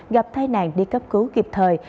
gặp thai nạn đi cấp cứu kịp thời